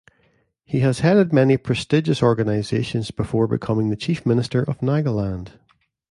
He had headed many prestigious organizations before becoming the Chief Minister of Nagaland.